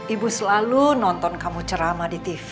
ibu selalu nonton kamu ceramah di tv